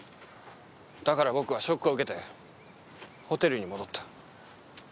だから僕はショックを受けてホテルに戻った。